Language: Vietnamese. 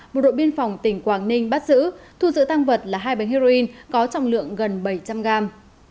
bộ đội biên phòng tỉnh quảng ninh bắt giữ thu giữ tăng vật là hai bánh heroin có trọng lượng gần bảy trăm linh gram